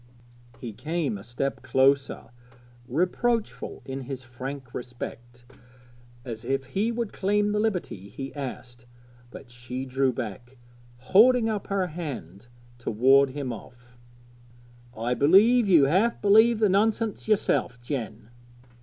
He came a step nearer, reproachful in his frank respect, as if he would claim the liberty he asked; but she drew back, holding up her hand to ward him off. 'I believe you half believe the nonsense yourself, Jen.'